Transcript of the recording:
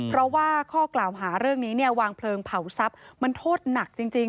เพราะว่าข้อกล่าวหาเรื่องนี้เนี่ยวางเพลิงเผาทรัพย์มันโทษหนักจริง